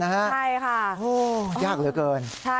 ใช่ค่ะโอ้โฮยากเลยเกิน